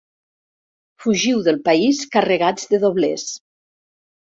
Fugiu del país carregats de doblers.